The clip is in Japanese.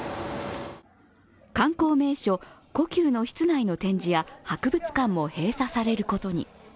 観光名所・故宮の室内の展示や博物館も閉鎖されることに。